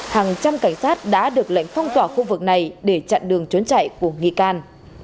hàng trăm cảnh sát đã được lệnh phong tỏa khu vực này để chặn đường trốn chạy của nghi can